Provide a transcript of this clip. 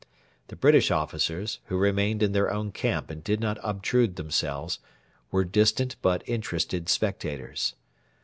The British officers, who remained in their own camp and did not obtrude themselves, were distant but interested spectators.